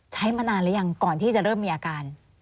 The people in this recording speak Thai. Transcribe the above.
มานานหรือยังก่อนที่จะเริ่มมีอาการ